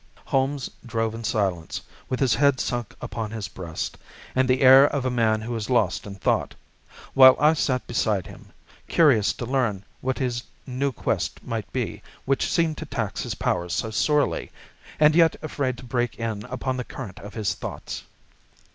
Holmes drove in silence, with his head sunk upon his breast, and the air of a man who is lost in thought, while I sat beside him, curious to learn what this new quest might be which seemed to tax his powers so sorely, and yet afraid to break in upon the current of his thoughts.